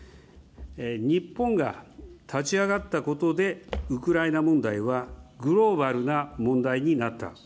日本が立ち上がったことで、ウクライナ問題はグローバルな問題になった。